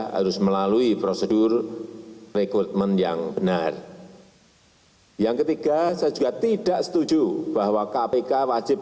harus melalui prosedur rekrutmen yang benar yang ketiga saya juga tidak setuju bahwa kpk wajib